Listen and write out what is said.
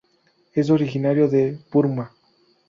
Es originario de Burma.